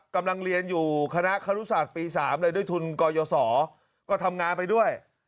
กำลังเรียนอยู่คณะครุศาสตร์ปี๓เลยด้วยทุนกยศรก็ทำงานไปด้วย